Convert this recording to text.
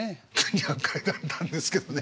２００回だったんですけどね。